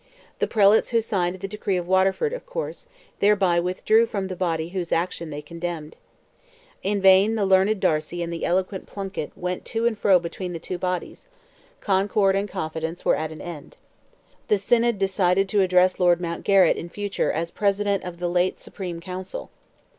The prelates who signed the decree of Waterford, of course, thereby withdrew from the body whose action they condemned. In vain the learned Darcy and the eloquent Plunkett went to and fro between the two bodies: concord and confidence were at an end. The synod decided to address Lord Mountgarrett in future as President of "the late Supreme Council."